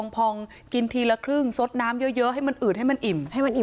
พองกินทีละครึ่งสดน้ำเยอะให้มันอืดให้มันอิ่ม